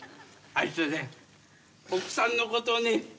あいつね奥さんのことをね